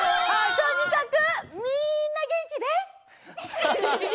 とにかくみんなげんきです！